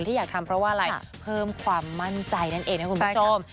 อยากทำเพราะว่าอะไรเพิ่มความมั่นใจนั่นเองนะคุณผู้ชม